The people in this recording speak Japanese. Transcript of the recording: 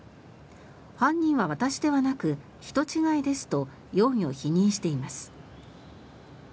犯人は私ではなく人違いですと容疑を否認しています。